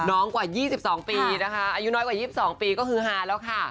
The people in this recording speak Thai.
น้องกว่า๒๒ปีอายุน้อยกว่า๒๒ปีแล้วก็หื้อฮ่าแล้วค่ะ